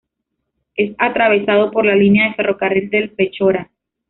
Es atravesado por la línea de ferrocarril del Pechora.